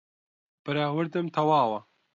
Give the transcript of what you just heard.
بەراوردم تەواوە